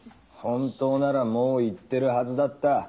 本当ならもう行ってるはずだった。